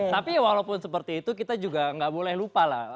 tapi walaupun seperti itu kita juga nggak boleh lupa lah